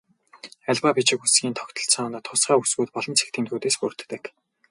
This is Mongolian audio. Аливаа бичиг үсгийн тогтолцоо нь тусгай үсгүүд болон цэг тэмдэгтүүдээс бүрддэг.